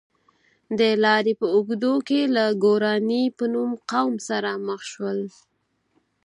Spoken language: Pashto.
د لارې په اوږدو کې له ګوراني په نوم قوم سره مخ شول.